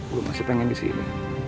gue masih pengen disini